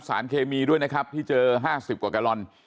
สารเคมีด้วยนะครับที่เจอ๕๐กว่ากะลอน